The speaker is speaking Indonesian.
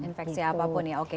infeksi apapun ya oke